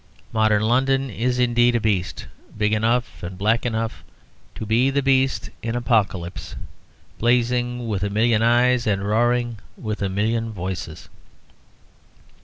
Modern London is indeed a beast, big enough and black enough to be the beast in Apocalypse, blazing with a million eyes, and roaring with a million voices.